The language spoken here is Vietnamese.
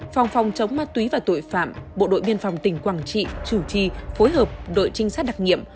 phòng phòng chống ma túy và tội phạm bộ đội biên phòng tỉnh quảng trị chủ trì phối hợp đội trinh sát đặc nghiệm